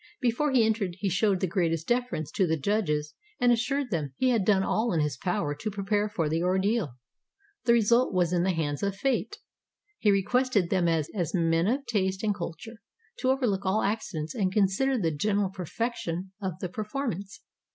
Before he entered he showed the greatest deference to the judges, and assured them "he had done all in his power to prepare for the ordeal. The result was in the hands of fate. He requested them as men of taste and culture, to overlook all accidents and consider the general perfection of the performance."